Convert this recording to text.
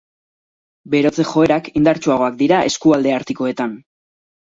Berotze joerak indartsuagoak dira eskualde artikoetan.